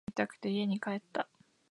ミニオンが見たくて家に帰った